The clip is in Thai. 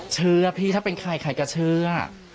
เชื่อพี่ถ้าเป็นใครใครก็เชื่อ